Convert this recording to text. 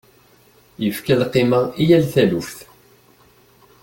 Yefka lqima i yal taluft.